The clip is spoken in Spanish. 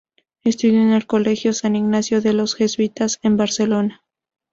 Estudió en el Colegio San Ignacio de los Jesuitas, en Barcelona.